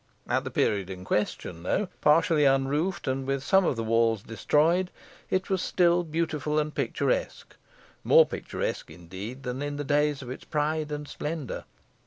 At the period in question though partially unroofed, and with some of the walls destroyed, it was still beautiful and picturesque more picturesque, indeed than in the days of its pride and splendour.